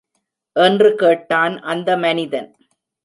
என்று கேட்டான் அந்த மனிதன்.